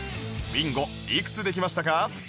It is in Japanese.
ビンゴいくつできましたか？